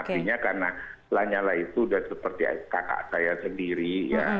artinya karena lanyala itu sudah seperti kakak saya sendiri ya